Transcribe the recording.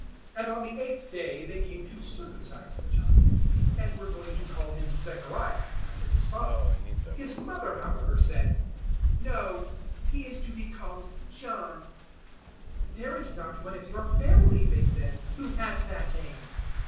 001:059 And on the eighth day they came to circumcise the child, and were going to call him Zechariah, after his father. 001:060 His mother, however, said, "No, he is to be called John." 001:061 "There is not one of your family," they said, "who has that name."